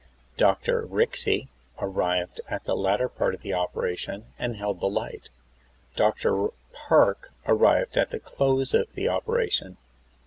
Dr. Rixey arrived at the latter part of the operation, and held the light. Dr. Park arrived at the close of the operation.